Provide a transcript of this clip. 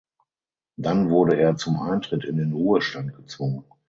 Dann wurde er zum Eintritt in den Ruhestand gezwungen.